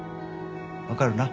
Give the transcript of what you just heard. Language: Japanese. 分かるな？